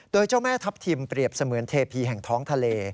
โดยเจ้าแม่ทัพทิมเปรียบเสมือนเทพีแห่งท้องทะเล